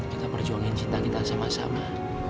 kita perjuangin cita kita sama sama